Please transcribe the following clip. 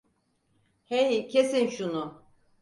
Hey, kesin şunu!